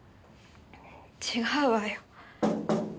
違うわよ。